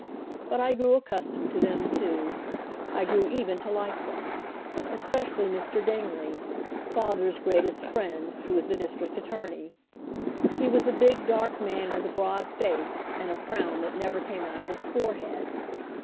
But I grew accustomed to them, too; I grew even to like them, especially Mr. Dingley, father's greatest friend, who was the district attorney. He was a big, dark man, with a broad face, and a frown that never came out of his forehead.